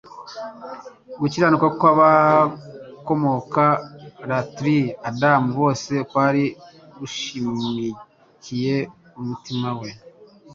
Gukiranirwa kw'abakomoka latri Adamu bose kwari gushikamiye umutima we;